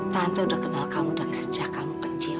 tante udah kenal kamu dari sejak kamu kecil